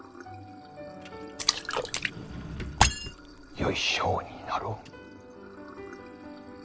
きっとよい将になろう。